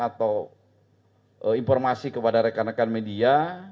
atau informasi kepada rekan rekan media